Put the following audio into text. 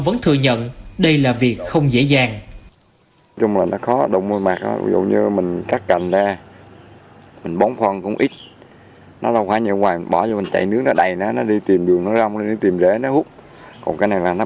vẫn thừa nhận đây là việc không dễ dàng